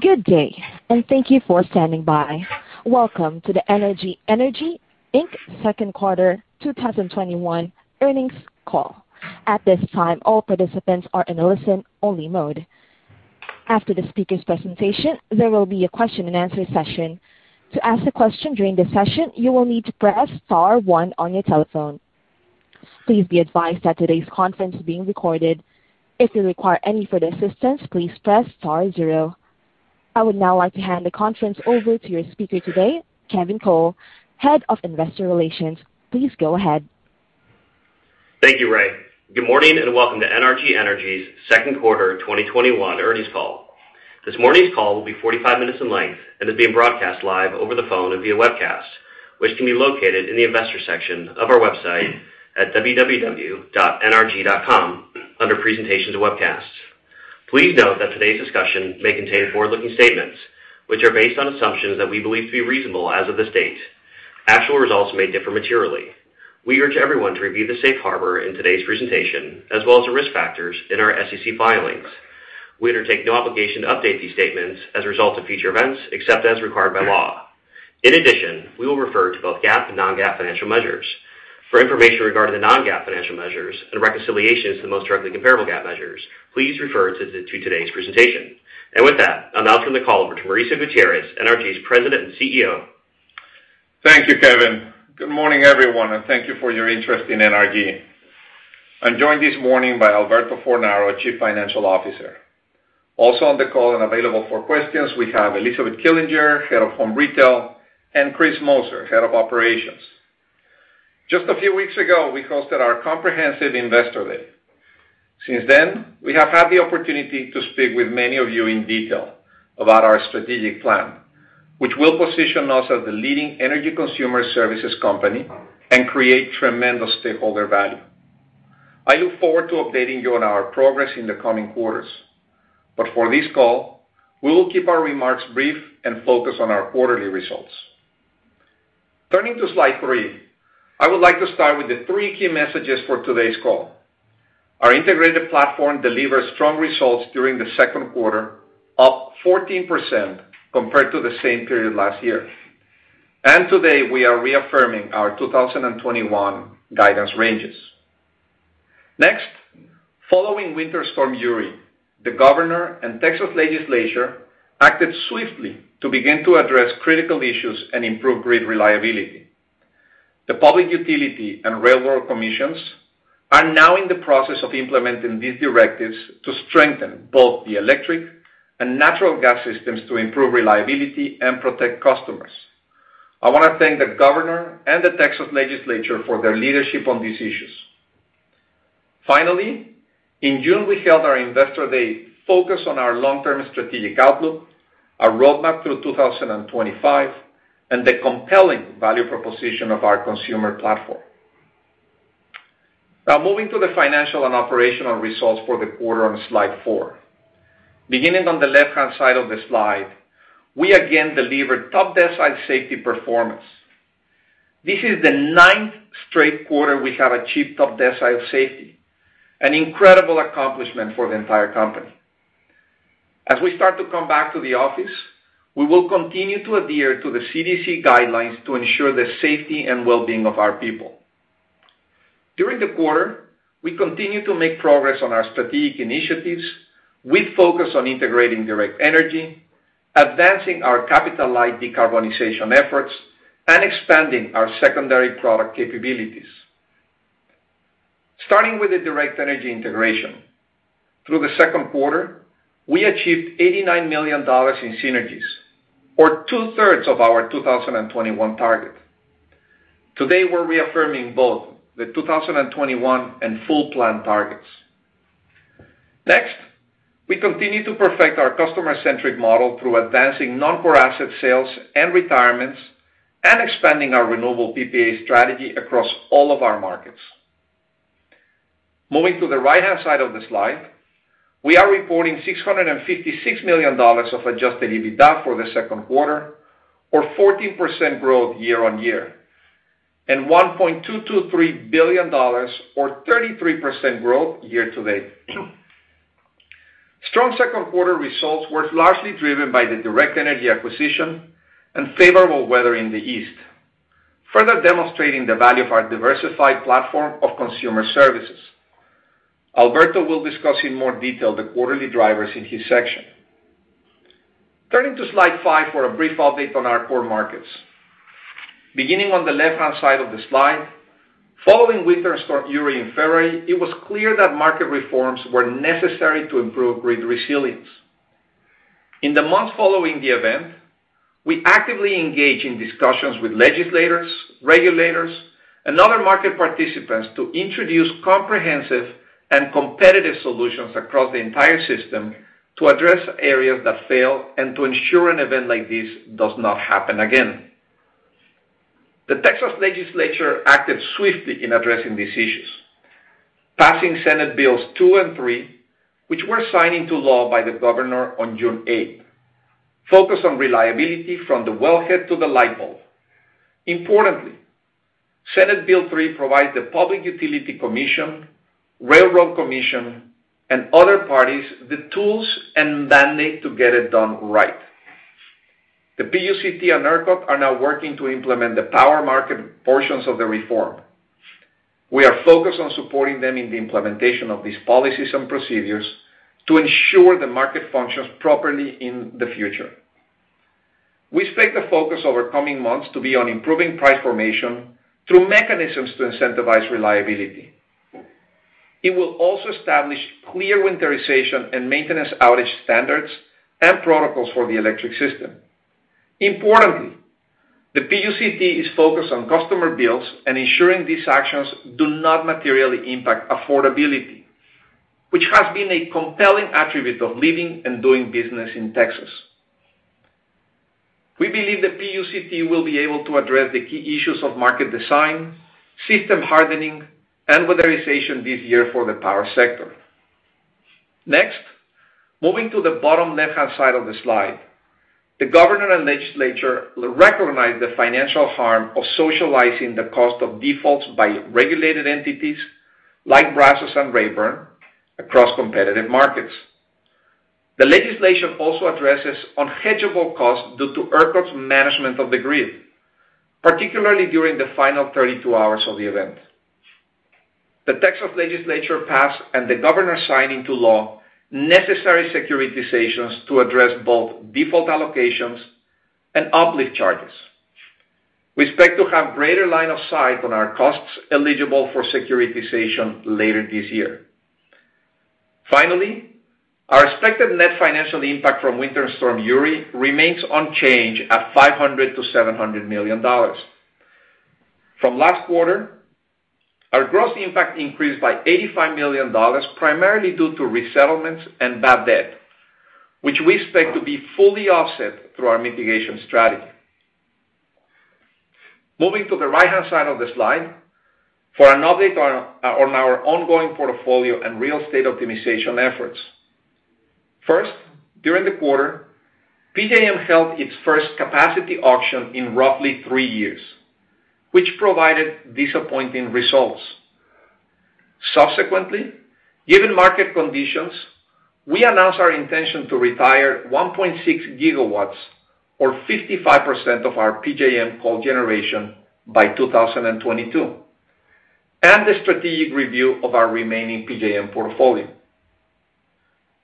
Good day, and thank you for standing by. Welcome to the NRG Energy, Inc. second quarter 2021 earnings call. At this time, all participants are in a listen-only mode. After the speakers' presentation, there will be a question-and-answer session. To ask a question during the session, you will need to press star one on your telephone. Please be advised that today's conference is being recorded. If you require any further assistance, please press star 0. I would now like to hand the conference over to your speaker today, Kevin Cole, Head of Investor Relations. Please go ahead. Thank you, Ray. Good morning and welcome to NRG Energy's second quarter 2021 earnings call. This morning's call will be 45 minutes in length and is being broadcast live over the phone and via webcast, which can be located in the Investors section of our website at www.nrg.com, under Presentations & Webcasts. Please note that today's discussion may contain forward-looking statements, which are based on assumptions that we believe to be reasonable as of this date. Actual results may differ materially. We urge everyone to review the safe harbor in today's presentation, as well as the risk factors in our SEC filings. We undertake no obligation to update these statements as a result of future events, except as required by law. In addition, we will refer to both GAAP and non-GAAP financial measures. For information regarding the non-GAAP financial measures and reconciliation to the most directly comparable GAAP measures, please refer to today's presentation. With that, I'll now turn the call over to Mauricio Gutierrez, NRG's President and CEO. Thank you, Kevin. Good morning, everyone. Thank you for your interest in NRG. I'm joined this morning by Alberto Fornaro, Chief Financial Officer. Also on the call and available for questions, we have Elizabeth Killinger, Head of Home Retail, and Chris Moser, Head of Operations. Just a few weeks ago, we hosted our comprehensive Investor Day. Since then, we have had the opportunity to speak with many of you in detail about our strategic plan, which will position us as the leading energy consumer services company and create tremendous stakeholder value. I look forward to updating you on our progress in the coming quarters. For this call, we will keep our remarks brief and focused on our quarterly results. Turning to slide three, I would like to start with the three key messages for today's call. Our integrated platform delivered strong results during the second quarter, up 14% compared to the same period last year. Today, we are reaffirming our 2021 guidance ranges. Following Winter Storm Uri, the governor and Texas legislature acted swiftly to begin to address critical issues and improve grid reliability. The Public Utility and Railroad Commissions are now in the process of implementing these directives to strengthen both the electric and natural gas systems to improve reliability and protect customers. I want to thank the Governor and the Texas legislature for their leadership on these issues. In June, we held our Investor Day focused on our long-term strategic outlook, our roadmap through 2025, and the compelling value proposition of our consumer platform. Moving to the financial and operational results for the quarter on slide four. Beginning on the left-hand side of the slide, we again delivered top decile safety performance. This is the ninth straight quarter we have achieved top decile safety, an incredible accomplishment for the entire company. As we start to come back to the office, we will continue to adhere to the CDC guidelines to ensure the safety and well-being of our people. During the quarter, we continued to make progress on our strategic initiatives with focus on integrating Direct Energy, advancing our capital-light decarbonization efforts, and expanding our secondary product capabilities. Starting with the Direct Energy integration. Through the second quarter, we achieved $89 million in synergies, or 2/3 of our 2021 target. Today, we are reaffirming both the 2021 and full plan targets. Next, we continue to perfect our customer-centric model through advancing non-core asset sales and retirements and expanding our renewable PPA strategy across all of our markets. Moving to the right-hand side of the slide, we are reporting $656 million of adjusted EBITDA for the second quarter or 14% growth year on year, and $1.223 billion or 33% growth year to date. Strong second quarter results were largely driven by the Direct Energy acquisition and favorable weather in the East, further demonstrating the value of our diversified platform of consumer services. Alberto will discuss in more detail the quarterly drivers in his section. Turning to slide five for a brief update on our core markets. Beginning on the left-hand side of the slide, following Winter Storm Uri in February, it was clear that market reforms were necessary to improve grid resilience. In the months following the event, we actively engaged in discussions with legislators, regulators, and other market participants to introduce comprehensive and competitive solutions across the entire system to address areas that failed and to ensure an event like this does not happen again. The Texas legislature acted swiftly in addressing these issues, passing Senate Bill 2 and Senate Bill 3, which were signed into law by the governor on June 8th, focused on reliability from the wellhead to the light bulb. Importantly, Senate Bill 3 provides the Public Utility Commission, Railroad Commission, and other parties the tools and mandate to get it done right. The PUCT and ERCOT are now working to implement the power market portions of the reform. We are focused on supporting them in the implementation of these policies and procedures to ensure the market functions properly in the future. We expect the focus over coming months to be on improving price formation through mechanisms to incentivize reliability. It will also establish clear winterization and maintenance outage standards and protocols for the electric system. Importantly, the PUCT is focused on customer bills and ensuring these actions do not materially impact affordability, which has been a compelling attribute of living and doing business in Texas. We believe the PUCT will be able to address the key issues of market design, system hardening, and winterization this year for the power sector. Next, moving to the bottom left-hand side of the slide. The Governor and legislature recognize the financial harm of socializing the cost of defaults by regulated entities like Brazos and Rayburn across competitive markets. The legislation also addresses unhedgeable costs due to ERCOT's management of the grid, particularly during the final 32 hours of the event. The Texas Legislature passed, and the governor signed into law, necessary securitizations to address both default allocations and uplift charges. We expect to have greater line of sight on our costs eligible for securitization later this year. Our expected net financial impact from Winter Storm Uri remains unchanged at $500 million-$700 million. From last quarter, our gross impact increased by $85 million, primarily due to resettlements and bad debt, which we expect to be fully offset through our mitigation strategy. Moving to the right-hand side of the slide, for an update on our ongoing portfolio and real estate optimization efforts. During the quarter, PJM held its first capacity auction in roughly three years, which provided disappointing results. Given market conditions, we announced our intention to retire 1.6 GW or 55% of our PJM coal generation by 2022, and the strategic review of our remaining PJM portfolio.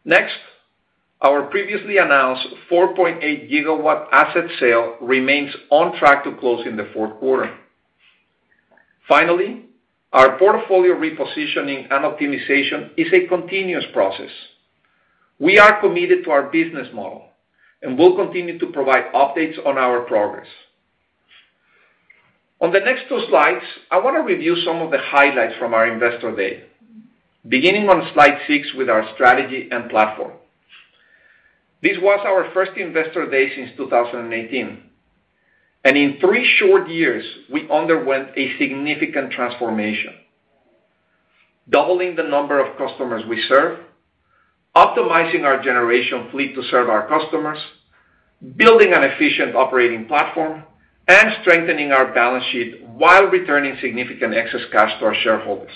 Next, our previously announced 4.8 GW asset sale remains on track to close in the fourth quarter. Finally, our portfolio repositioning and optimization is a continuous process. We are committed to our business model and will continue to provide updates on our progress. On the next two slides, I want to review some of the highlights from our Investor Day, beginning on slide six with our strategy and platform. This was our first Investor Day since 2018, and in three short years, we underwent a significant transformation, doubling the number of customers we serve, optimizing our generation fleet to serve our customers, building an efficient operating platform, and strengthening our balance sheet while returning significant excess cash to our shareholders.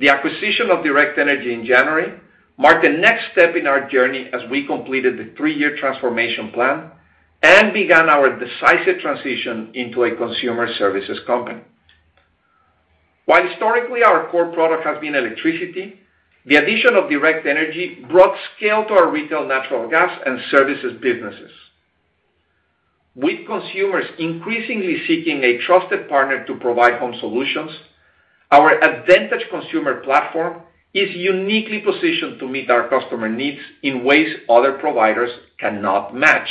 The acquisition of Direct Energy in January marked the next step in our journey as we completed the three-year transformation plan and began our decisive transition into a consumer services company. While historically, our core product has been electricity, the addition of Direct Energy brought scale to our retail natural gas and services businesses. With consumers increasingly seeking a trusted partner to provide home solutions, our advantage consumer platform is uniquely positioned to meet our customer needs in ways other providers cannot match.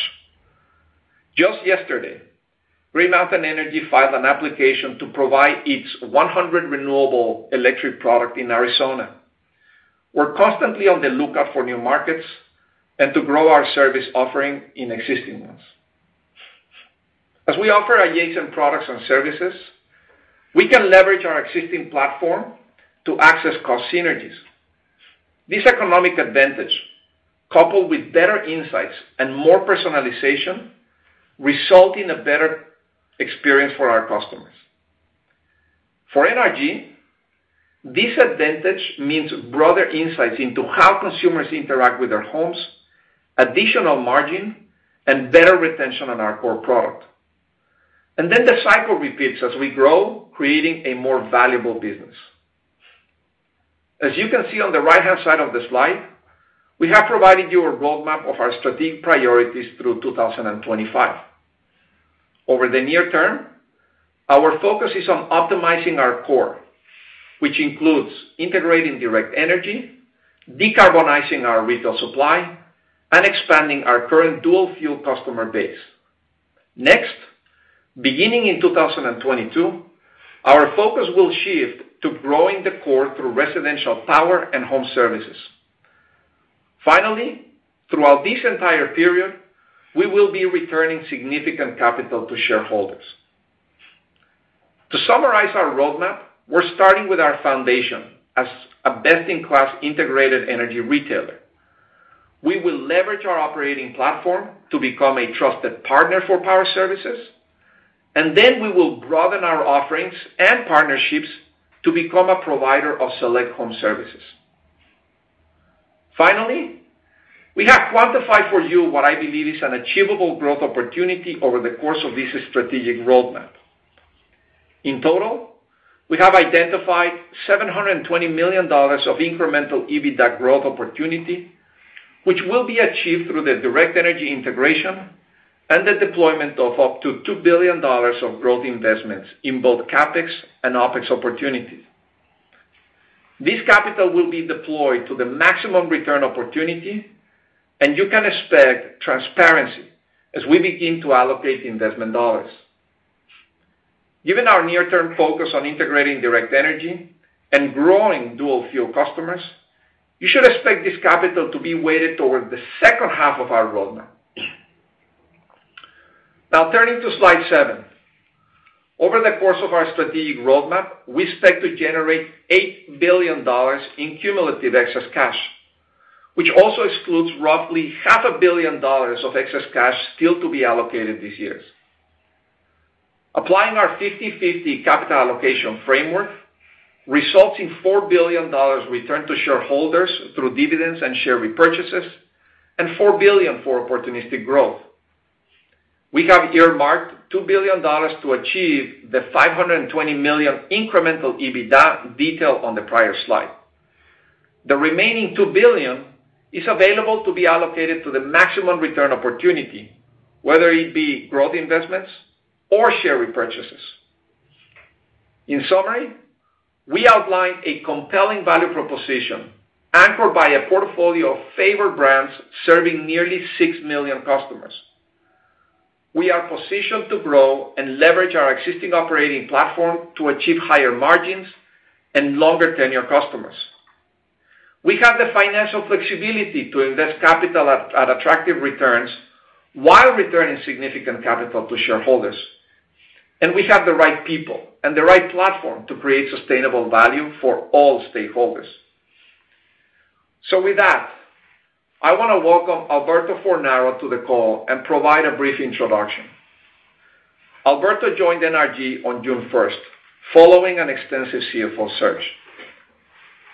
Just yesterday, Green Mountain Energy filed an application to provide its 100 renewable electric product in Arizona. We're constantly on the lookout for new markets and to grow our service offering in existing ones. As we offer adjacent products and services, we can leverage our existing platform to access cost synergies. This economic advantage, coupled with better insights and more personalization, result in a better experience for our customers. For NRG, this advantage means broader insights into how consumers interact with their homes, additional margin, and better retention on our core product. Then the cycle repeats as we grow, creating a more valuable business. As you can see on the right-hand side of the slide, we have provided you a roadmap of our strategic priorities through 2025. Over the near term, our focus is on optimizing our core, which includes integrating Direct Energy, decarbonizing our retail supply, and expanding our current dual-fuel customer base. Next, beginning in 2022, our focus will shift to growing the core through residential power and home services. Finally, throughout this entire period, we will be returning significant capital to shareholders. To summarize our roadmap, we're starting with our foundation as a best-in-class integrated energy retailer. We will leverage our operating platform to become a trusted partner for power services, and then we will broaden our offerings and partnerships to become a provider of select home services. Finally, we have quantified for you what I believe is an achievable growth opportunity over the course of this strategic roadmap. In total, we have identified $720 million of incremental EBITDA growth opportunity, which will be achieved through the Direct Energy integration and the deployment of up to $2 billion of growth investments in both CapEx and OpEx opportunities. This capital will be deployed to the maximum return opportunity, and you can expect transparency as we begin to allocate investment dollars. Given our near-term focus on integrating Direct Energy and growing dual-fuel customers, you should expect this capital to be weighted towards the second half of our roadmap. Now, turning to slide seven. Over the course of our strategic roadmap, we expect to generate $8 billion in cumulative excess cash, which also excludes roughly $500 million of excess cash still to be allocated these years. Applying our 50/50 capital allocation framework results in $4 billion return to shareholders through dividends and share repurchases, and $4 billion for opportunistic growth. We have earmarked $2 billion to achieve the $520 million incremental EBITDA detailed on the prior slide. The remaining $2 billion is available to be allocated to the maximum return opportunity, whether it be growth investments or share repurchases. In summary, we outlined a compelling value proposition anchored by a portfolio of favored brands serving nearly 6 million customers. We are positioned to grow and leverage our existing operating platform to achieve higher margins and longer-tenure customers. We have the financial flexibility to invest capital at attractive returns while returning significant capital to shareholders. We have the right people and the right platform to create sustainable value for all stakeholders. With that, I want to welcome Alberto Fornaro to the call and provide a brief introduction. Alberto joined NRG on June 1st following an extensive CFO search.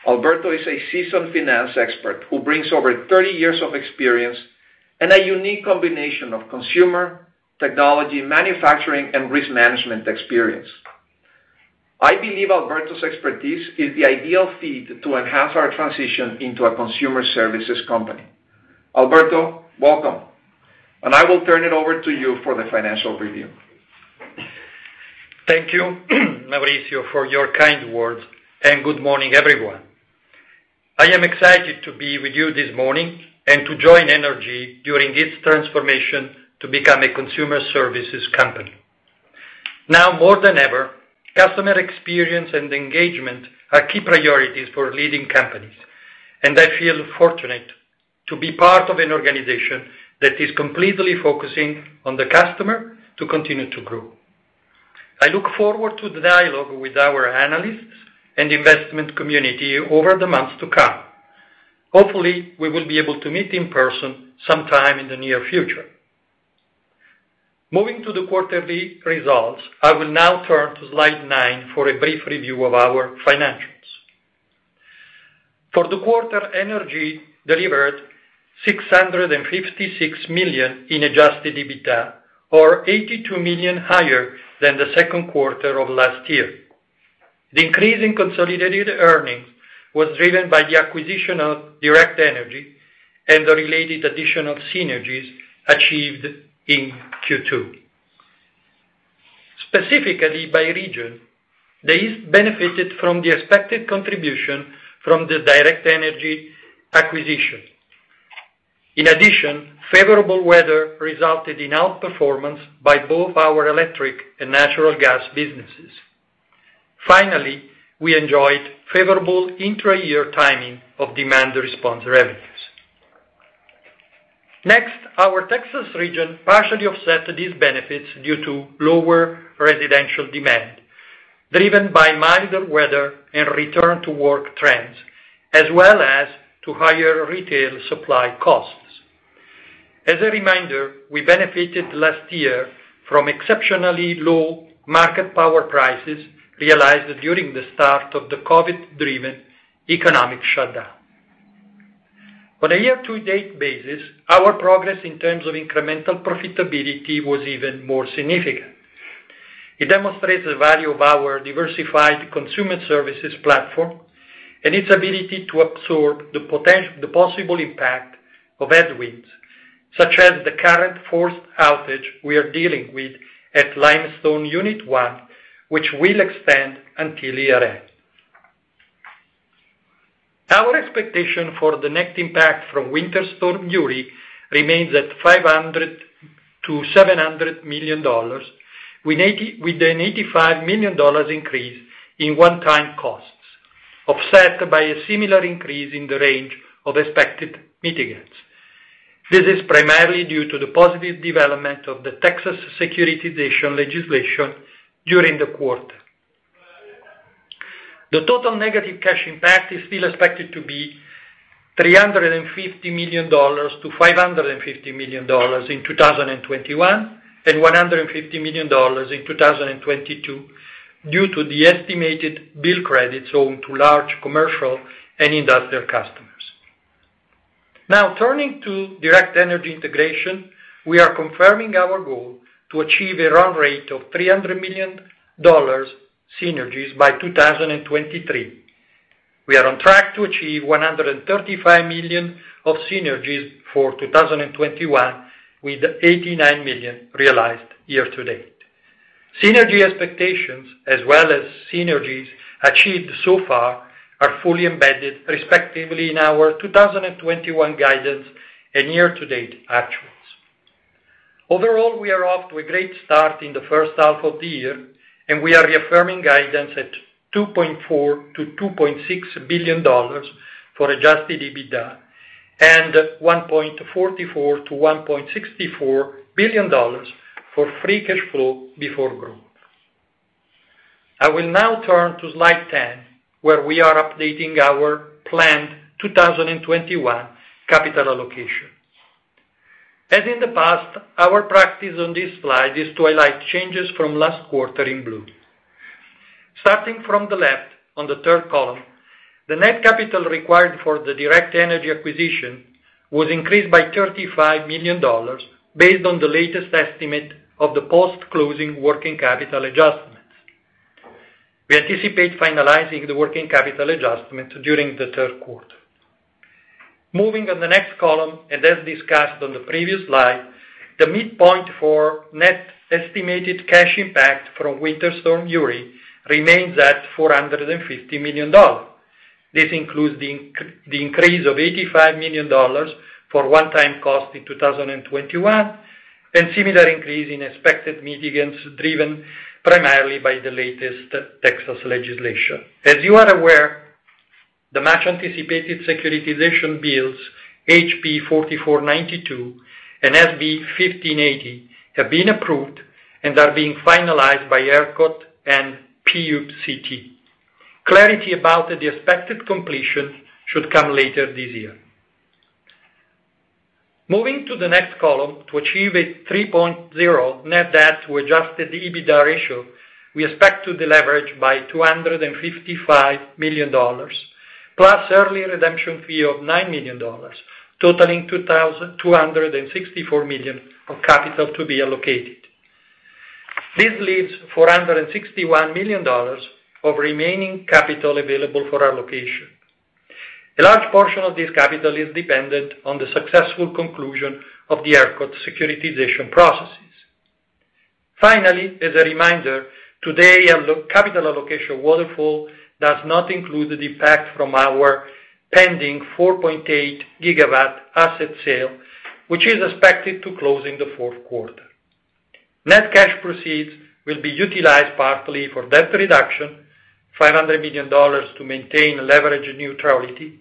Alberto is a seasoned finance expert who brings over 30 years of experience and a unique combination of consumer, technology, manufacturing, and risk management experience. I believe Alberto's expertise is the ideal fit to enhance our transition into a consumer services company. Alberto, welcome. I will turn it over to you for the financial review. Thank you, Mauricio, for your kind words, and good morning, everyone. I am excited to be with you this morning and to join NRG during its transformation to become a consumer services company. Now more than ever, customer experience and engagement are key priorities for leading companies, and I feel fortunate to be part of an organization that is completely focusing on the customer to continue to grow. I look forward to the dialogue with our analysts and investment community over the months to come. Hopefully, we will be able to meet in person sometime in the near future. Moving to the quarterly results, I will now turn to slide nine for a brief review of our financials. For the quarter, NRG delivered $656 million in adjusted EBITDA, or $82 million higher than the second quarter of last year. The increase in consolidated earnings was driven by the acquisition of Direct Energy and the related additional synergies achieved in Q2. Specifically by region, they benefited from the expected contribution from the Direct Energy acquisition. In addition, favorable weather resulted in outperformance by both our electric and natural gas businesses. Finally, we enjoyed favorable intra-year timing of demand response revenues. Next, our Texas region partially offset these benefits due to lower residential demand, driven by milder weather and return-to-work trends, as well as to higher retail supply costs. As a reminder, we benefited last year from exceptionally low market power prices realized during the start of the COVID-driven economic shutdown. On a year-to-date basis, our progress in terms of incremental profitability was even more significant. It demonstrates the value of our diversified consumer services platform and its ability to absorb the possible impact of headwinds, such as the current forced outage we are dealing with at Limestone Unit One, which will extend until year-end. Our expectation for the net impact from Winter Storm Uri remains at $500 million-$700 million, with an $85 million increase in one-time costs, offset by a similar increase in the range of expected mitigants. This is primarily due to the positive development of the Texas securitization legislation during the quarter. The total negative cash impact is still expected to be $350 million-$550 million in 2021, and $150 million in 2022, due to the estimated bill credits owed to large commercial and industrial customers. Now turning to Direct Energy integration, we are confirming our goal to achieve a run rate of $300 million synergies by 2023. We are on track to achieve $135 million of synergies for 2021, with $89 million realized year to date. Synergy expectations, as well as synergies achieved so far, are fully embedded respectively in our 2021 guidance and year to date actuals. Overall, we are off to a great start in the first half of the year. We are reaffirming guidance at $2.4 billion-$2.6 billion for adjusted EBITDA, and $1.44 billion-$1.64 billion for free cash flow before growth. I will now turn to slide 10, where we are updating our planned 2021 capital allocation. As in the past, our practice on this slide is to highlight changes from last quarter in blue. Starting from the left on the third column, the net capital required for the Direct Energy acquisition was increased by $35 million, based on the latest estimate of the post-closing working capital adjustments. We anticipate finalizing the working capital adjustment during the third quarter. Moving on the next column, as discussed on the previous slide, the midpoint for net estimated cash impact from Winter Storm Uri remains at $450 million. This includes the increase of $85 million for one-time cost in 2021, and similar increase in expected mitigants, driven primarily by the latest Texas legislation. As you are aware, the much anticipated securitization bills, HB 4492 and SB 1580, have been approved and are being finalized by ERCOT and PUCT. Clarity about the expected completion should come later this year. Moving to the next column, to achieve a 3.0 net debt to adjusted EBITDA ratio, we expect to deleverage by $255 million, plus early redemption fee of $9 million, totaling $264 million of capital to be allocated. This leaves $461 million of remaining capital available for allocation. A large portion of this capital is dependent on the successful conclusion of the ERCOT securitization processes. As a reminder, today, our capital allocation waterfall does not include the impact from our pending 4.8 GW asset sale, which is expected to close in the fourth quarter. Net cash proceeds will be utilized partly for debt reduction, $500 million to maintain leverage neutrality,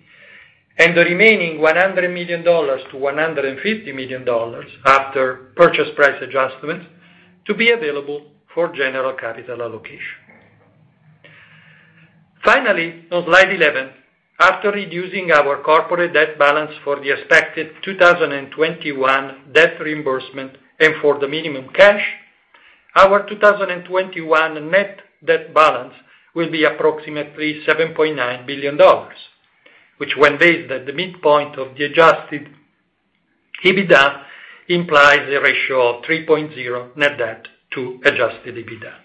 and the remaining $100 million-$150 million after purchase price adjustments to be available for general capital allocation. On slide 11, after reducing our corporate debt balance for the expected 2021 debt reimbursement and for the minimum cash, our 2021 net debt balance will be approximately $7.9 billion, which when based at the midpoint of the adjusted EBITDA, implies a ratio of 3.0 net debt to adjusted EBITDA.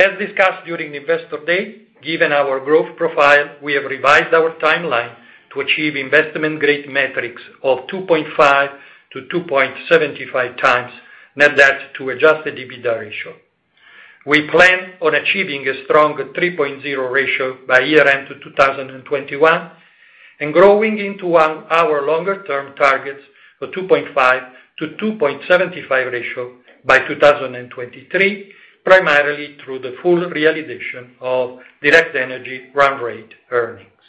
As discussed during Investor Day, given our growth profile, we have revised our timeline to achieve investment-grade metrics of 2.5x-2.75x net debt to adjusted EBITDA ratio. We plan on achieving a strong 3.0 ratio by year-end of 2021, and growing into our longer-term targets of 2.5-2.75 ratio by 2023, primarily through the full realization of Direct Energy run rate earnings.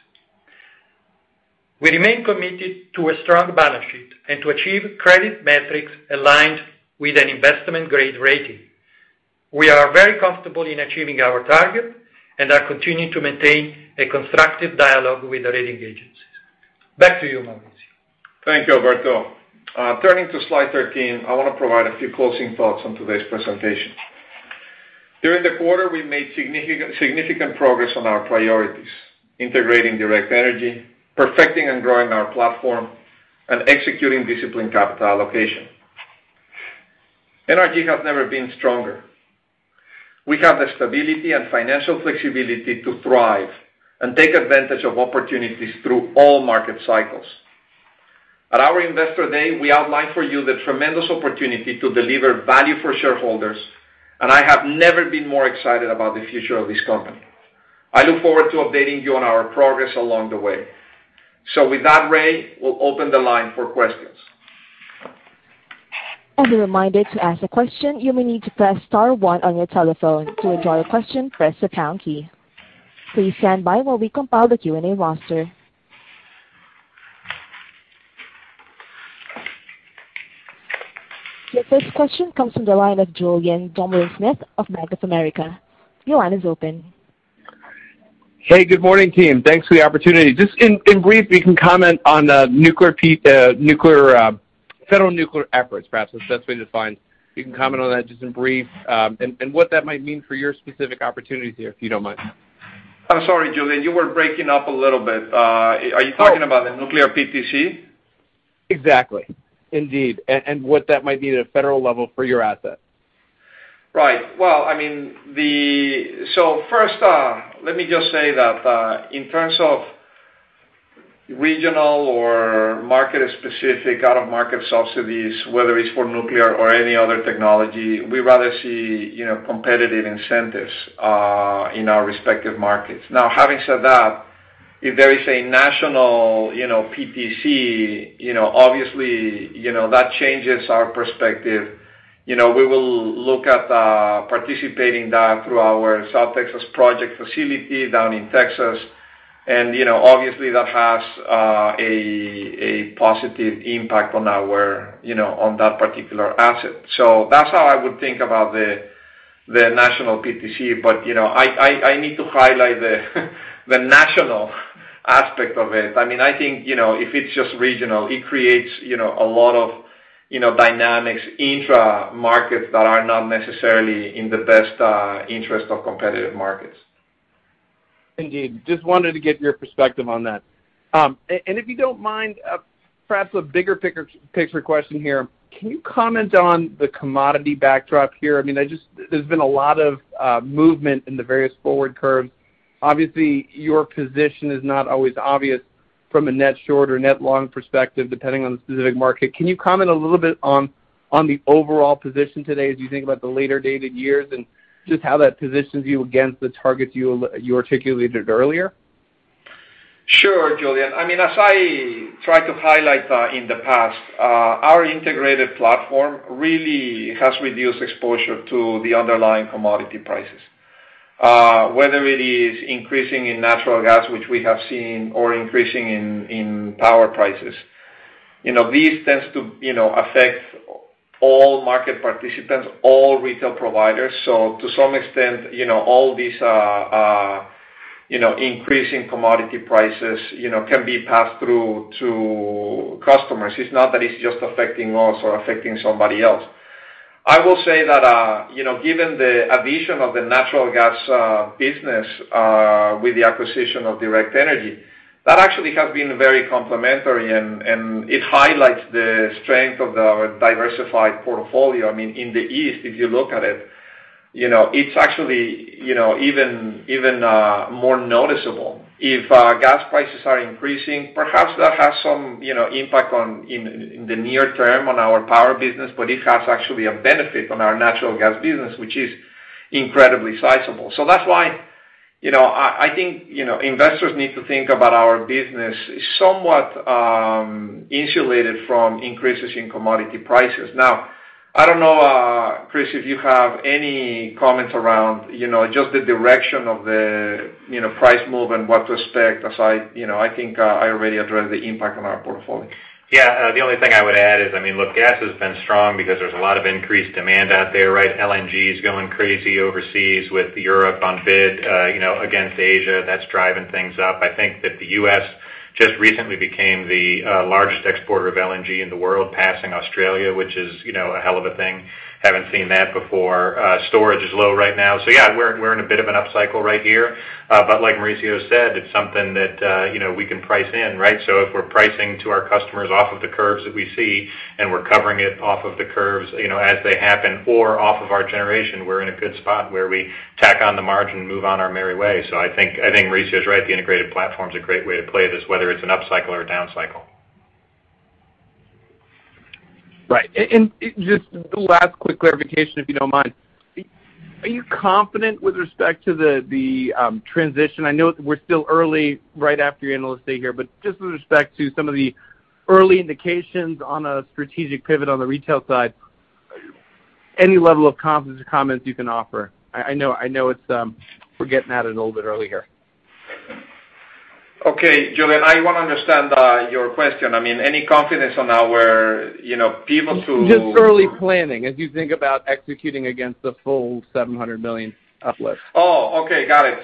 We remain committed to a strong balance sheet and to achieve credit metrics aligned with an investment-grade rating. We are very comfortable in achieving our target, and are continuing to maintain a constructive dialogue with the rating agencies. Back to you, Mauricio. Thank you, Alberto. Turning to slide 13, I want to provide a few closing thoughts on today's presentation. During the quarter, we made significant progress on our priorities: integrating Direct Energy, perfecting and growing our platform, and executing disciplined capital allocation. NRG has never been stronger. We have the stability and financial flexibility to thrive and take advantage of opportunities through all market cycles. At our Investor Day, we outlined for you the tremendous opportunity to deliver value for shareholders, and I have never been more excited about the future of this company. I look forward to updating you on our progress along the way. With that, Ray, we'll open the line for questions. Your first question comes from the line of Julien Dumoulin-Smith of Bank of America. Your line is open. Hey, good morning, team. Thanks for the opportunity. Just in brief, if you can comment on federal nuclear efforts, perhaps. If that's the way to define. If you can comment on that just in brief, and what that might mean for your specific opportunities here, if you don't mind. I'm sorry, Julien, you were breaking up a little bit. Are you talking about the nuclear PTC? Exactly. Indeed. What that might mean at a federal level for your assets. Right. First, let me just say that, in terms of regional or market-specific out-of-market subsidies, whether it's for nuclear or any other technology, we'd rather see competitive incentives in our respective markets. Having said that, if there is a national PTC, obviously, that changes our perspective. We will look at participating that through our South Texas Project facility down in Texas. Obviously, that has a positive impact on that particular asset. That's how I would think about the national PTC. I need to highlight the national aspect of it. I think, if it's just regional, it creates a lot of dynamics intra markets that are not necessarily in the best interest of competitive markets. Indeed. Just wanted to get your perspective on that. If you don't mind, perhaps a bigger-picture question here. Can you comment on the commodity backdrop here? There's been a lot of movement in the various forward curves. Obviously, your position is not always obvious from a net short or net long perspective, depending on the specific market. Can you comment a little bit on the overall position today as you think about the later dated years and just how that positions you against the targets you articulated earlier? Sure, Julien. As I tried to highlight in the past, our integrated platform really has reduced exposure to the underlying commodity prices. Whether it is increasing in natural gas, which we have seen, or increasing in power prices. These tend to affect all market participants, all retail providers. To some extent, all these increasing commodity prices can be passed through to customers. It's not that it's just affecting us or affecting somebody else. I will say that, given the addition of the natural gas business with the acquisition of Direct Energy, that actually has been very complementary, and it highlights the strength of our diversified portfolio. In the East, if you look at it's actually even more noticeable. If gas prices are increasing, perhaps that has some impact in the near term on our power business, but it has actually a benefit on our natural gas business, which is incredibly sizable. That's why I think investors need to think about our business as somewhat insulated from increases in commodity prices. I don't know, Chris, if you have any comments around just the direction of the price move and what to expect, as I think I already addressed the impact on our portfolio. Yeah. The only thing I would add is, look, gas has been strong because there's a lot of increased demand out there, right? LNG is going crazy overseas with Europe on bid against Asia. That's driving things up. I think that the U.S. just recently became the largest exporter of LNG in the world, passing Australia, which is a hell of a thing. Haven't seen that before. Storage is low right now. Yeah, we're in a bit of an upcycle right here. Like Mauricio said, it's something that we can price in, right? If we're pricing to our customers off of the curves that we see and we're covering it off of the curves as they happen or off of our generation, we're in a good spot where we tack on the margin and move on our merry way. I think Mauricio is right. The integrated platform is a great way to play this, whether it's an upcycle or a down cycle. Right. Just last quick clarification, if you don't mind. Are you confident with respect to the transition? I know we're still early, right after your Analyst Day here, but just with respect to some of the early indications on a strategic pivot on the retail side, any level of confidence or comments you can offer? I know we're getting at it a little bit early here. Okay. Julien, I want to understand your question. Any confidence on our pivot? Just early planning as you think about executing against the full $700 million uplift. Okay. Got it.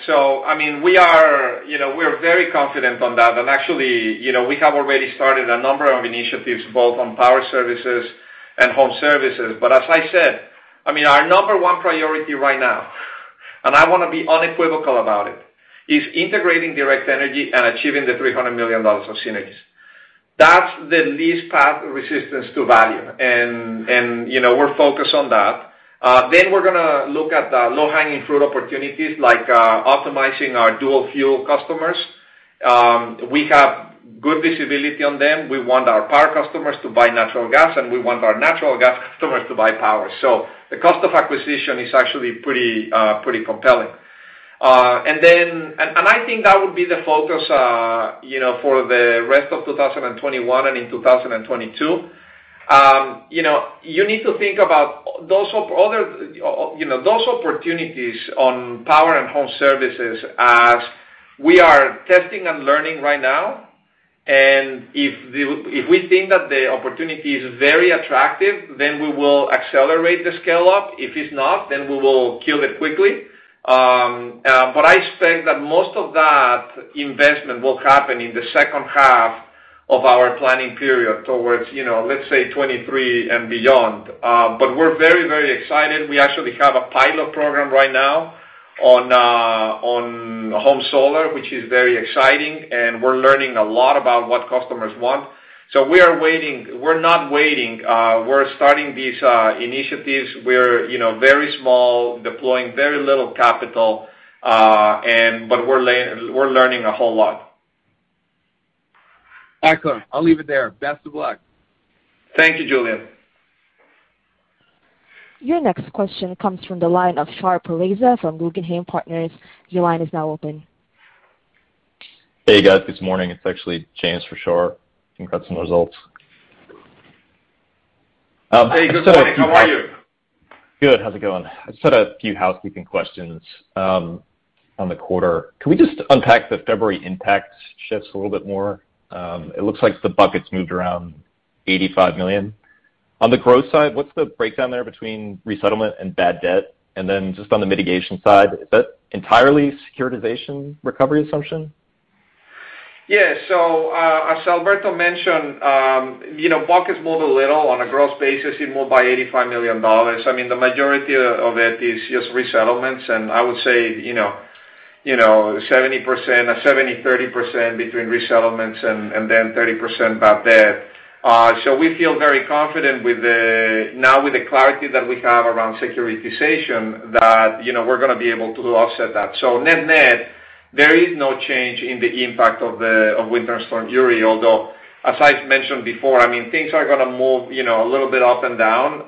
We're very confident on that. Actually, we have already started a number of initiatives, both on power services and home services. As I said, our number one priority right now, and I want to be unequivocal about it, is integrating Direct Energy and achieving the $300 million of synergies. That's the least path of resistance to value, and we're focused on that. We're going to look at the low-hanging fruit opportunities like optimizing our dual fuel customers. We have good visibility on them. We want our power customers to buy natural gas, and we want our natural gas customers to buy power. The cost of acquisition is actually pretty compelling. I think that would be the focus for the rest of 2021 and in 2022. You need to think about those opportunities on power and home services as we are testing and learning right now. If we think that the opportunity is very attractive, then we will accelerate the scale-up. If it's not, then we will kill it quickly. I expect that most of that investment will happen in the second half of our planning period towards let's say 2023 and beyond. We're very excited. We actually have a pilot program right now on home solar, which is very exciting, and we're learning a lot about what customers want. We're not waiting. We're starting these initiatives. We're very small, deploying very little capital, but we're learning a whole lot. Excellent. I'll leave it there. Best of luck. Thank you, Julien. Your next question comes from the line of Shar Pourreza from Guggenheim Partners. Your line is now open. Hey, guys. Good morning. It's actually James for Shar. Congrats on the results. Hey, good morning. How are you? Good. How's it going? I just had a few housekeeping questions on the quarter. Can we just unpack the February impact shifts a little bit more? It looks like the bucket's moved around $85 million. On the growth side, what's the breakdown there between resettlement and bad debt? Then just on the mitigation side, is that entirely securitization recovery assumption? Yeah. As Alberto mentioned, buckets moved a little. On a gross basis, it moved by $85 million. I mean, the majority of it is just resettlements, and I would say, 70%, 30% between resettlements and then 30% bad debt. We feel very confident now with the clarity that we have around securitization, that we're going to be able to offset that. Net net, there is no change in the impact of Winter Storm Uri, although as I've mentioned before, I mean, things are going to move a little bit up and down.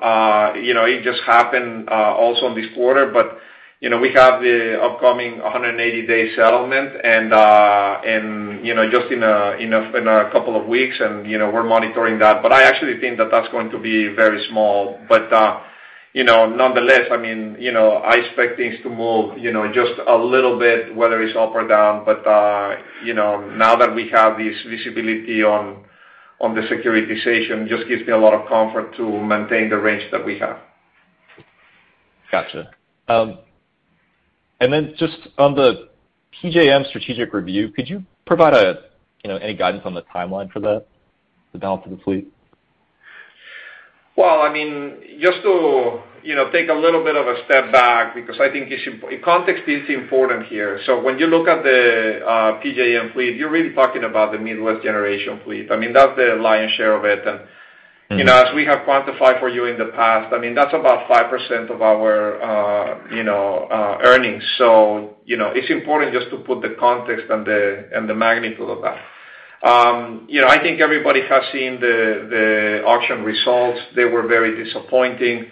It just happened also in this quarter, we have the upcoming 180-day settlement and just in a couple of weeks, and we're monitoring that. I actually think that that's going to be very small. Nonetheless, I expect things to move just a little bit, whether it's up or down. Now that we have this visibility on the securitization, just gives me a lot of comfort to maintain the range that we have. Got you. Just on the PJM strategic review, could you provide any guidance on the timeline for that, the balance of the fleet? Well, just to take a little bit of a step back because I think context is important here. When you look at the PJM fleet, you're really talking about the Midwest generation fleet. That's the lion's share of it. As we have quantified for you in the past, that's about 5% of our earnings. It's important just to put the context and the magnitude of that. I think everybody has seen the auction results. They were very disappointing.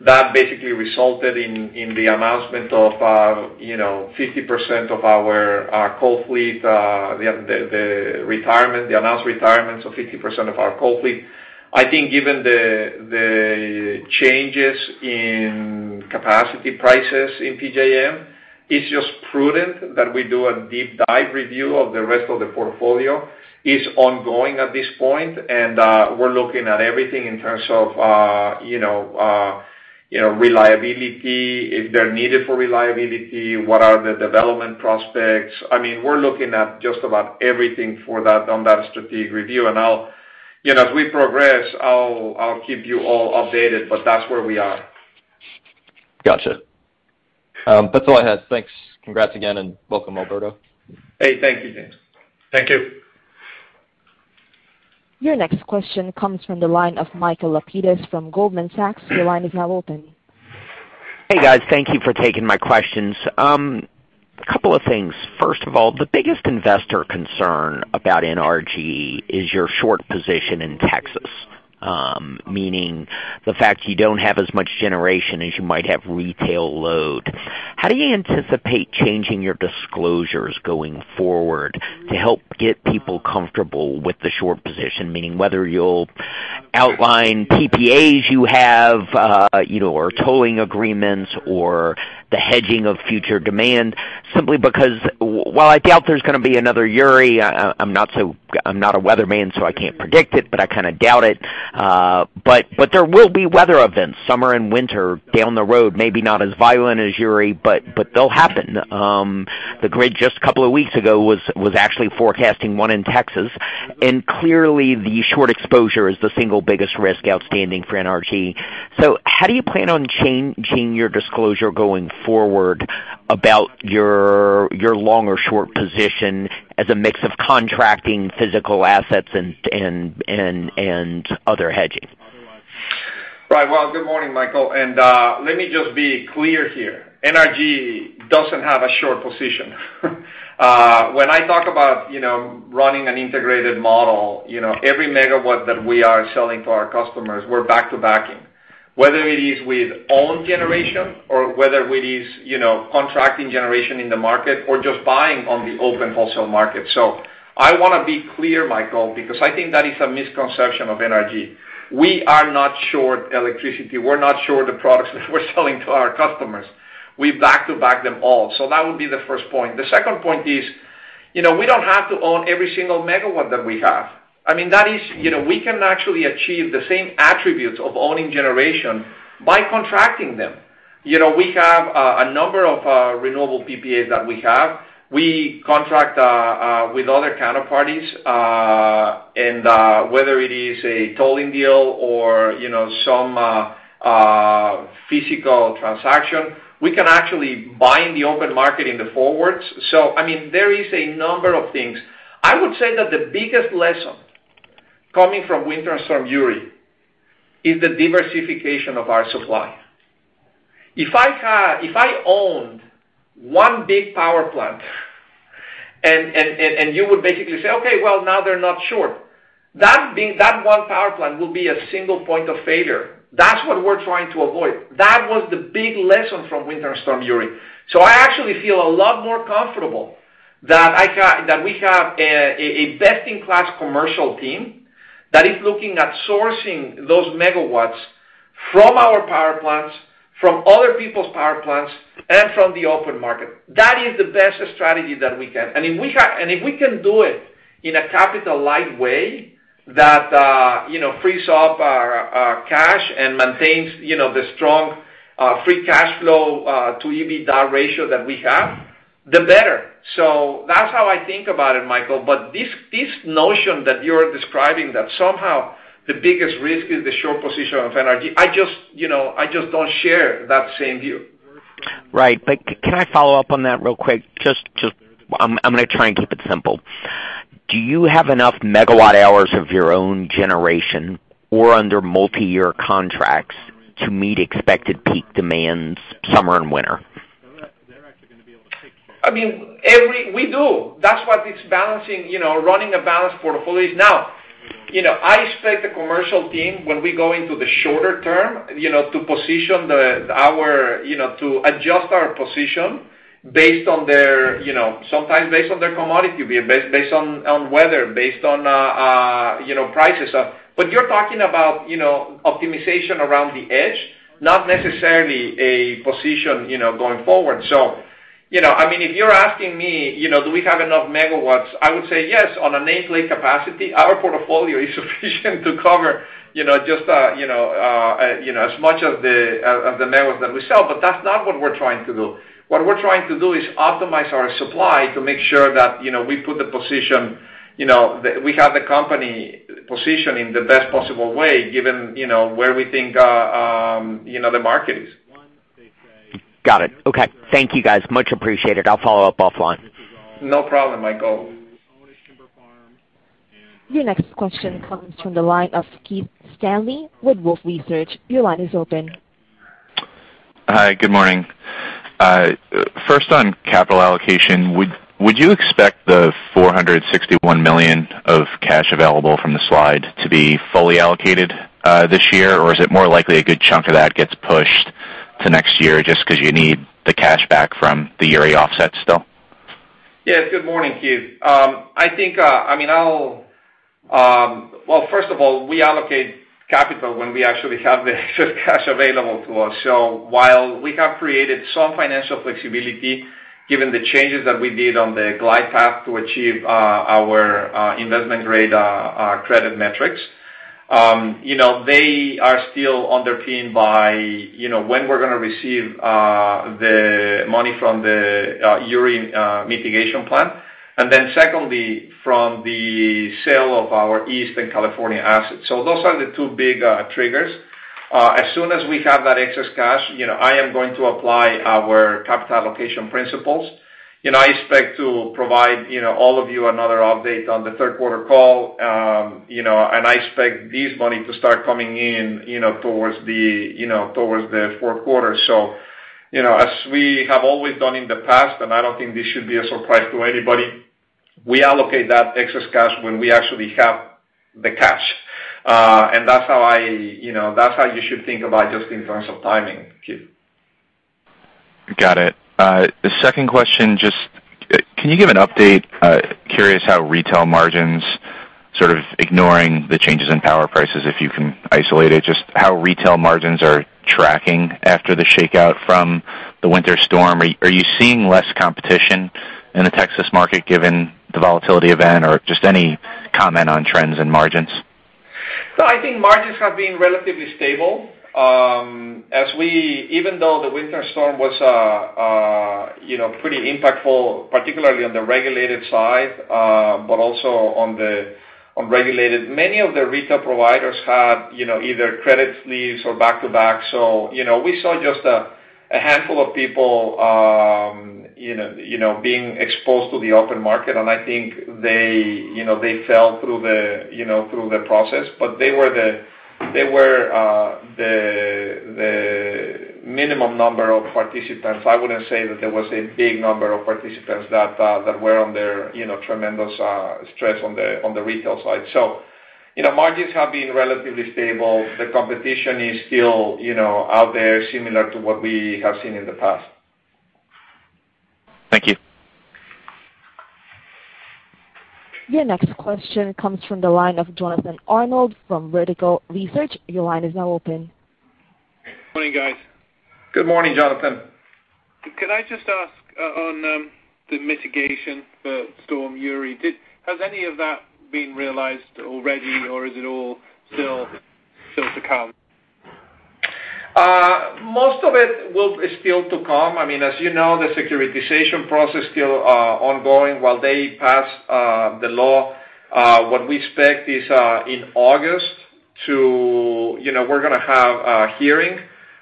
That basically resulted in the announcement of 50% of our coal fleet, the announced retirements of 50% of our coal fleet. I think given the changes in capacity prices in PJM, it's just prudent that we do a deep dive review of the rest of the portfolio. It's ongoing at this point, and we're looking at everything in terms of reliability, if they're needed for reliability, what are the development prospects? We're looking at just about everything on that strategic review. As we progress, I'll keep you all updated, but that's where we are. Got you. That's all I had. Thanks. Congrats again, and welcome, Alberto. Hey, thank you, James. Thank you. Your next question comes from the line of Michael Lapides from Goldman Sachs. Your line is now open. Hey, guys. Thank you for taking my questions. Couple of things. First of all, the biggest investor concern about NRG is your short position in Texas, meaning the fact you don't have as much generation as you might have retail load. How do you anticipate changing your disclosures going forward to help get people comfortable with the short position, meaning whether you'll outline PPAs you have or tolling agreements or the hedging of future demand? Simply because while I doubt there's going to be another Uri, I'm not a weatherman, so I can't predict it, but I kind of doubt it. There will be weather events, summer and winter down the road, maybe not as violent as Uri, but they'll happen. The Grid just a couple of weeks ago was actually forecasting one in Texas. Clearly the short exposure is the single biggest risk outstanding for NRG. How do you plan on changing your disclosure going forward about your long or short position as a mix of contracting physical assets and other hedging? Right. Well, good morning, Michael, let me just be clear here. NRG doesn't have a short position. When I talk about running an integrated model, every megawatt that we are selling to our customers, we're back-to-backing, whether it is with own generation or whether it is contracting generation in the market or just buying on the open wholesale market. I want to be clear, Michael, because I think that is a misconception of NRG. We are not short electricity. We're not short the products that we're selling to our customers. We back-to-back them all. That would be the first point. The second point is, we don't have to own every single megawatt that we have. We can actually achieve the same attributes of owning generation by contracting them. We have a number of renewable PPAs that we have. We contract with other counterparties, and whether it is a tolling deal or some physical transaction, we can actually buy in the open market in the forwards. There is a number of things. I would say that the biggest lesson coming from Winter Storm Uri is the diversification of our supply. If I owned one big power plant and you would basically say, "Okay, well, now they're not sure." That one power plant will be a single point of failure. That's what we're trying to avoid. That was the big lesson from Winter Storm Uri. I actually feel a lot more comfortable that we have a best-in-class commercial team that is looking at sourcing those megawatts from our power plants, from other people's power plants, and from the open market. That is the best strategy that we can. If we can do it in a capital-light way that frees up our cash and maintains the strong free cash flow to EBITDA ratio that we have, the better. That's how I think about it, Michael. This notion that you're describing that somehow the biggest risk is the short position of energy, I just don't share that same view. Right. Can I follow up on that real quick? I'm going to try and keep it simple. Do you have enough megawatt hours of your own generation or under multi-year contracts to meet expected peak demands, summer and winter? We do. That's what it's balancing, running a balanced portfolio is. I expect the commercial team, when we go into the shorter term, to adjust our position sometimes based on their commodity view, based on weather, based on prices. You're talking about optimization around the edge, not necessarily a position going forward. If you're asking me, do we have enough megawatts? I would say yes, on a nameplate capacity, our portfolio is sufficient to cover as much of the megawatts that we sell, but that's not what we're trying to do. What we're trying to do is optimize our supply to make sure that we have the company positioned in the best possible way, given where we think the market is. Got it. Okay. Thank you, guys. Much appreciated. I'll follow up offline. No problem, Michael. Your next question comes from the line of Keith Stanley with Wolfe Research. Your line is open. Hi, good morning. First on capital allocation, would you expect the $461 million of cash available from the slide to be fully allocated this year? Is it more likely a good chunk of that gets pushed to next year just because you need the cash back from the Uri offsets still? Good morning, Keith. Well, first of all, we allocate capital when we actually have the excess cash available to us. While we have created some financial flexibility, given the changes that we did on the glide path to achieve our investment-grade credit metrics. They are still underpinned by when we're going to receive the money from the Uri mitigation plan, and then secondly, from the sale of our Eastern California assets. Those are the two big triggers. As soon as we have that excess cash, I am going to apply our capital allocation principles, and I expect to provide all of you another update on the third quarter call. I expect this money to start coming in towards the fourth quarter. As we have always done in the past, and I don't think this should be a surprise to anybody, we allocate that excess cash when we actually have the cash. That's how you should think about just in terms of timing, Keith. Got it. The second question, just can you give an update? Curious how retail margins, sort of ignoring the changes in power prices, if you can isolate it, just how retail margins are tracking after the shakeout from the winter storm. Are you seeing less competition in the Texas market given the volatility event? Or just any comment on trends and margins? No, I think margins have been relatively stable. Even though the winter storm was pretty impactful, particularly on the regulated side, but also on regulated. Many of the retail providers had either credit sleeves or back-to-back, so we saw just a handful of people being exposed to the open market, and I think they fell through the process, but they were the minimum number of participants. I wouldn't say that there was a big number of participants that were on their tremendous stress on the retail side. Margins have been relatively stable. The competition is still out there, similar to what we have seen in the past. Thank you. Your next question comes from the line of Jonathan Arnold from Vertical Research. Morning, guys. Good morning, Jonathan. Could I just ask on the mitigation for Storm Uri, has any of that been realized already or is it all still to come? Most of it is still to come. As you know, the securitization process still ongoing while they pass the law. What we expect is in August, we're going to have a hearing,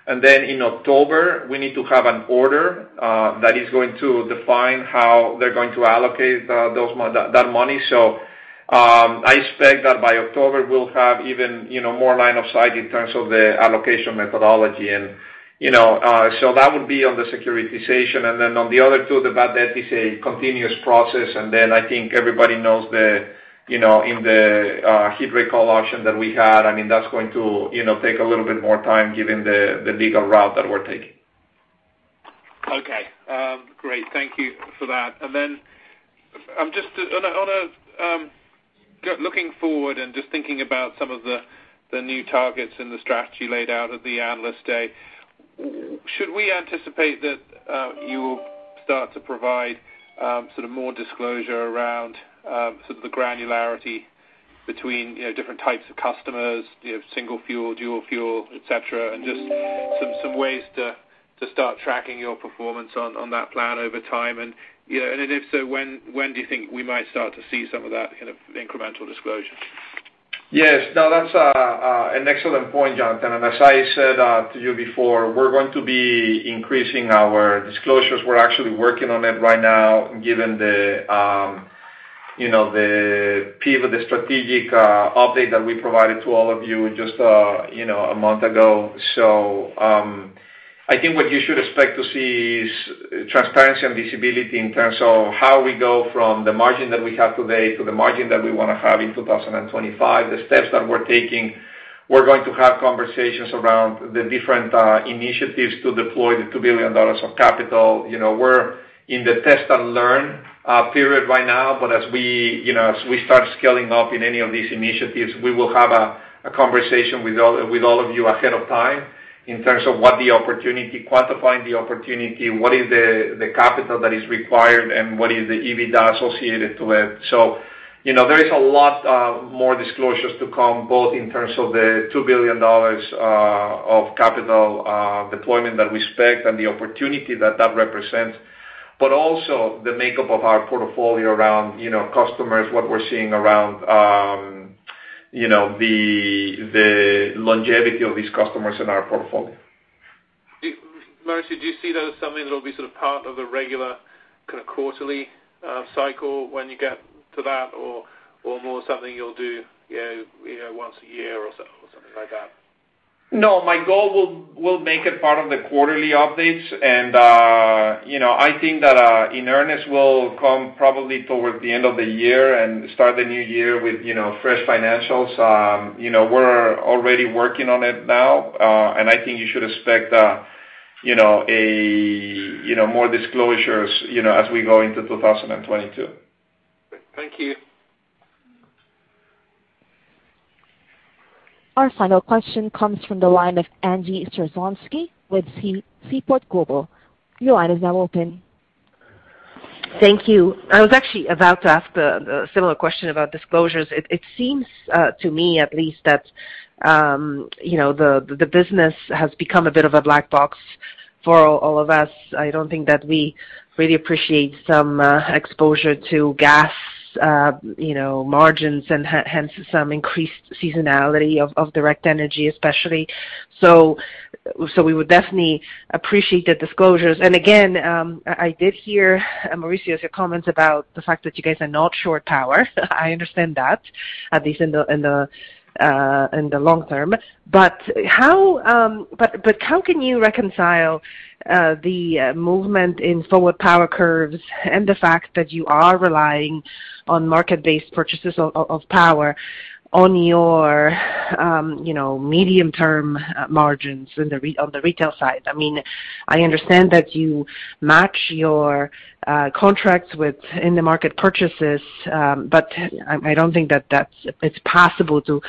and then in October, we need to have an order that is going to define how they're going to allocate that money. I expect that by October we'll have even more line of sight in terms of the allocation methodology. That would be on the securitization. On the other two, the bad debt is a continuous process, and then I think everybody knows that in the heat rate call option that we had, that's going to take a little bit more time given the legal route that we're taking. Okay. Great. Thank you for that. Just looking forward and just thinking about some of the new targets and the strategy laid out at the Analyst Day, should we anticipate that you will start to provide sort of more disclosure around sort of the granularity between different types of customers, single fuel, dual fuel, et cetera, and just some ways to start tracking your performance on that plan over time? If so, when do you think we might start to see some of that kind of incremental disclosure? Yes. Now, that's an excellent point, Jonathan. As I said to you before, we're going to be increasing our disclosures. We're actually working on it right now given the strategic update that we provided to all of you just one month ago. I think what you should expect to see is transparency and visibility in terms of how we go from the margin that we have today to the margin that we want to have in 2025, the steps that we're taking. We're going to have conversations around the different initiatives to deploy the $2 billion of capital. We're in the test and learn period right now, but as we start scaling up in any of these initiatives, we will have a conversation with all of you ahead of time in terms of what the opportunity, quantifying the opportunity, what is the capital that is required, and what is the EBITDA associated to it. There is a lot more disclosures to come, both in terms of the $2 billion of capital deployment that we expect and the opportunity that that represents, but also the makeup of our portfolio around customers, what we're seeing around the longevity of these customers in our portfolio. Mauricio, do you see that as something that will be sort of part of the regular kind of quarterly cycle when you get to that or more something you'll do once a year or something like that? No, my goal, we'll make it part of the quarterly updates. I think that in earnest will come probably toward the end of the year and start the new year with fresh financials. We're already working on it now. I think you should expect more disclosures as we go into 2022. Thank you. Our final question comes from the line of Angie Storozynski with Seaport Global. Your line is now open. Thank you. I was actually about to ask a similar question about disclosures. It seems, to me at least, that the business has become a bit of a black box for all of us. I don't think that we really appreciate some exposure to gas margins and hence some increased seasonality of Direct Energy, especially. We would definitely appreciate the disclosures. Again, I did hear, Mauricio, your comments about the fact that you guys are not short power. I understand that, at least in the long term. How can you reconcile the movement in forward power curves and the fact that you are relying on market-based purchases of power on your medium-term margins on the retail side? I understand that you match your contracts within the market purchases, but I don't think that it's possible to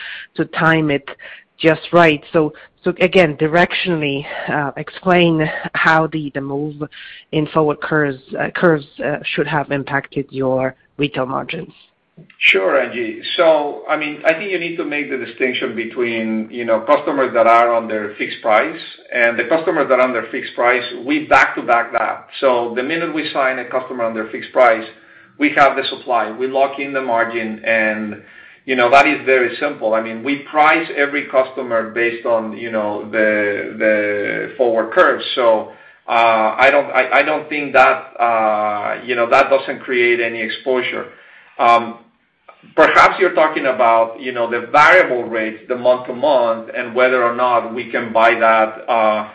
time it just right. Again, directionally, explain how the move in forward curves should have impacted your retail margins? Sure, Angie. I think you need to make the distinction between customers that are under fixed price. The customers that are under fixed price, we back to back that. The minute we sign a customer under fixed price, we have the supply. We lock in the margin, and that is very simple. We price every customer based on the forward curves. I don't think that doesn't create any exposure. Perhaps you're talking about the variable rates, the month-to-month, and whether or not we can buy that.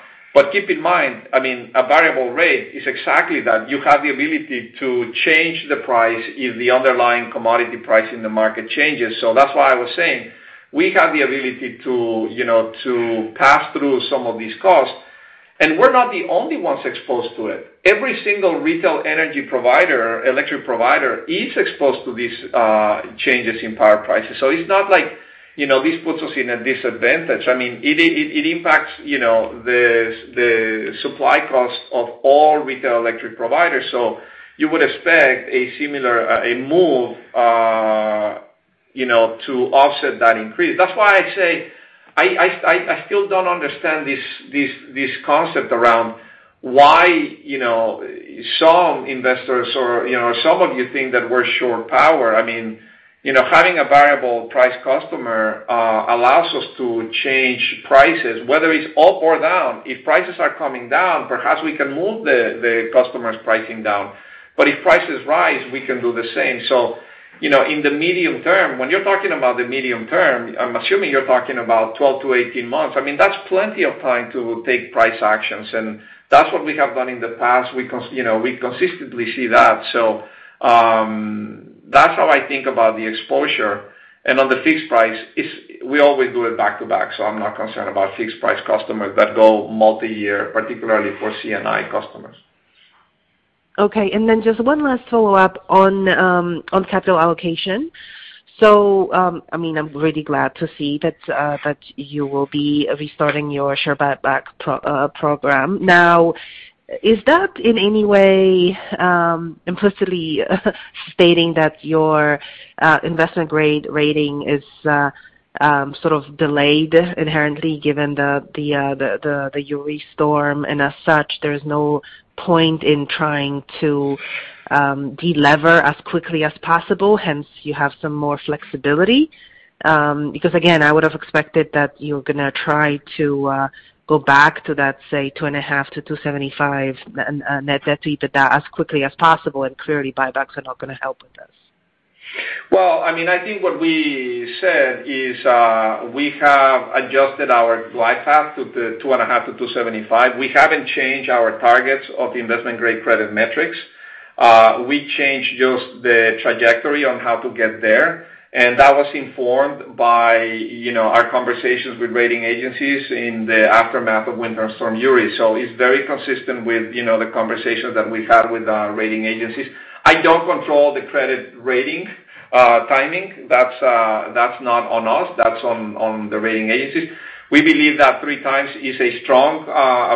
Keep in mind, a variable rate is exactly that. You have the ability to change the price if the underlying commodity pricing in the market changes. That's why I was saying we have the ability to pass through some of these costs. We're not the only ones exposed to it. Every single retail energy provider, electric provider, is exposed to these changes in power prices. It's not like this puts us in a disadvantage. It impacts the supply cost of all retail electric providers, so you would expect a similar move to offset that increase. That's why I say I still don't understand this concept around why some investors or some of you think that we're short power. Having a variable price customer allows us to change prices, whether it's up or down. If prices are coming down, perhaps we can move the customer's pricing down. If prices rise, we can do the same. In the medium term, when you're talking about the medium term, I'm assuming you're talking about 12-18 months. That's plenty of time to take price actions, and that's what we have done in the past. We consistently see that. That's how I think about the exposure. On the fixed price, we always do it back-to-back, so I'm not concerned about fixed price customers that go multi-year, particularly for C&I customers. Okay. Then just one last follow-up on capital allocation. I am really glad to see that you will be restarting your share buyback program. Now, is that in any way implicitly stating that your investment-grade rating is sort of delayed inherently given the Uri storm? And as such, there's no point in trying to de-lever as quickly as possible, hence you have some more flexibility? Again, I would've expected that you're going to try to go back to that, say, 2.5-2.75 net debt-to-EBITDA as quickly as possible. And clearly, buybacks are not going to help with this. Well, I think what we said is we have adjusted our glide path to the 2.5-2.75. We haven't changed our targets of the investment-grade credit metrics. We changed just the trajectory on how to get there. That was informed by our conversations with rating agencies in the aftermath of Winter Storm Uri. It's very consistent with the conversations that we've had with our rating agencies. I don't control the credit rating timing. That's not on us. That's on the rating agencies. We believe that 3x is a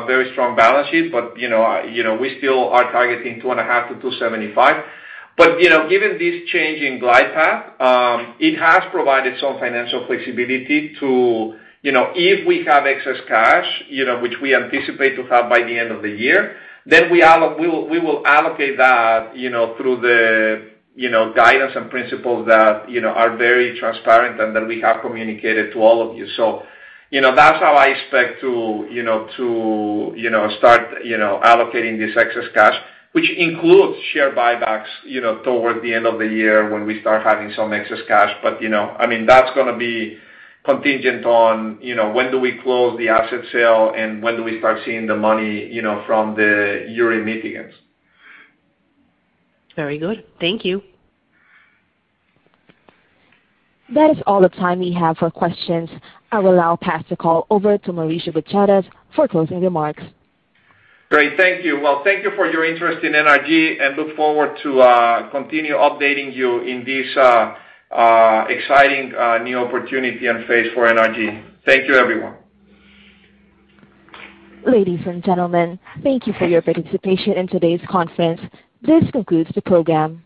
very strong balance sheet. We still are targeting 2.5-2.75. Given this change in glide path, it has provided some financial flexibility to if we have excess cash, which we anticipate to have by the end of the year, we will allocate that through the guidance and principles that are very transparent and that we have communicated to all of you. That's how I expect to start allocating this excess cash, which includes share buybacks toward the end of the year when we start having some excess cash. That's going to be contingent on when do we close the asset sale, and when do we start seeing the money from the Uri mitigants. Very good. Thank you. That is all the time we have for questions. I will now pass the call over to Mauricio Gutierrez for closing remarks. Great. Thank you. Well, thank you for your interest in NRG and look forward to continue updating you in this exciting new opportunity and phase for NRG. Thank you, everyone. Ladies and gentlemen, thank you for your participation in today's conference. This concludes the program.